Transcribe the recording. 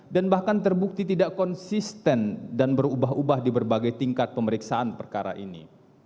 dan bahkan terbukti tidak konsisten dan berubah ubah di berbagai tingkat pemeriksaan perkara ini